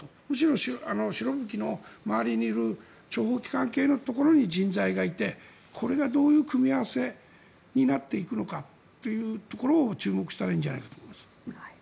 むしろシロビキの周りにいる諜報機関系のところに人材がいてこれがどういう組み合わせになっていくのかというところを注目したらいいんじゃないかと思います。